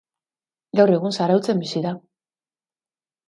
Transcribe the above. Gaur egun Zarautzen bizi da.